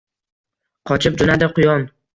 Qochib jo‘nadi quyon.